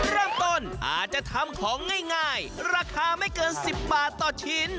เริ่มต้นอาจจะทำของง่ายราคาไม่เกิน๑๐บาทต่อชิ้น